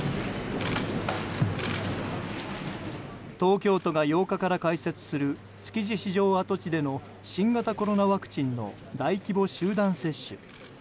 東京都が８日から開設する築地市場跡地での新型コロナワクチンの大規模集団接種。